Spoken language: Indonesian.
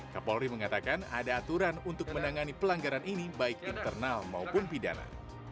kapolri mengatakan ada aturan untuk menangani pelanggaran ini baik internal maupun pidana